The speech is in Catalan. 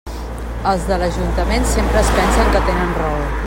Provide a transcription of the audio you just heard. Els de l'ajuntament sempre es pensen que tenen raó.